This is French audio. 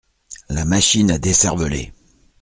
La Machine à décerveler.